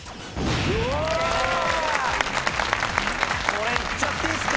これいっちゃっていいっすか？